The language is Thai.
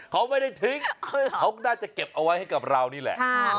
เขาไม่ได้ทิ้งเขาก็น่าจะเก็บเอาไว้ให้กับเรานี่แหละ